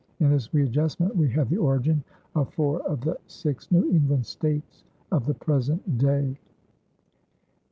In this readjustment we have the origin of four of the six New England States of the present day.